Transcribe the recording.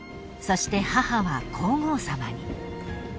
［そして母は皇后さまに］